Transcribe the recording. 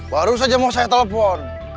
baru saja mau saya telepon